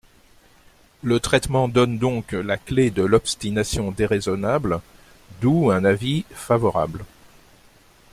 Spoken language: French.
Le traitement donne donc la clé de l’obstination déraisonnable, d’où un avis favorable.